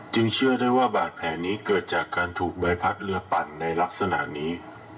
เชื่อได้ว่าบาดแผลนี้เกิดจากการถูกใบพัดเรือปั่นในลักษณะนี้